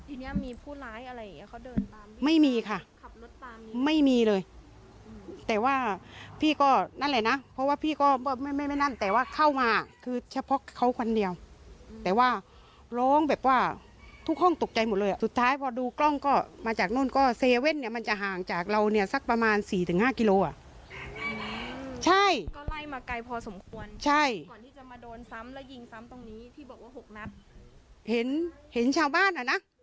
ทีเนี้ยมีผู้ร้ายอะไรเขาเดินตามไม่มีค่ะไม่มีเลยแต่ว่าพี่ก็นั่นแหละนะเพราะว่าพี่ก็ไม่ไม่นั่นแต่ว่าเข้ามาคือเฉพาะเขาคนเดียวแต่ว่าล้องแบบว่าทุกห้องตกใจหมดเลยอ่ะสุดท้ายพอดูกล้องก็มาจากนู่นก็เซเว่นเนี้ยมันจะห่างจากเราเนี้ยสักประมาณสี่ถึงห้ากิโลอ่ะใช่ก็ไล่มาไกลพอสมควรใช่ก่อนที่จะมาโด